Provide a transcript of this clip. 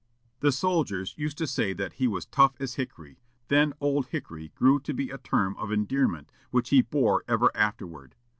The soldiers used to say that he was "tough as hickory;" then "Old Hickory" grew to be a term of endearment, which he bore ever afterward.